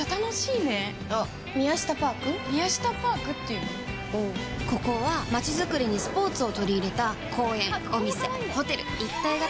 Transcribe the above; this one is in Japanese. うんここは街づくりにスポーツをとり入れた公園・お店・ホテル一体型の施設なの